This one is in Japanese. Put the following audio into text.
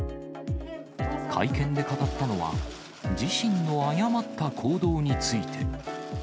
会見で語ったのは、自身の誤った行動について。